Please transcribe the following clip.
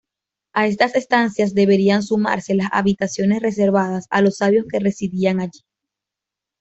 A estas estancias deberían sumarse las habitaciones reservadas a los sabios que residían allí.